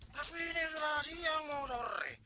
tapi ini sudah siang mau sore